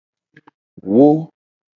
Wo.